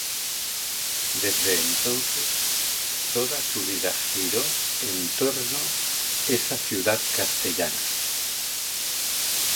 Desde entonces, toda su vida giró en torno esa ciudad castellana.